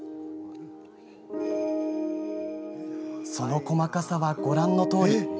その細かさは、ご覧のとおり。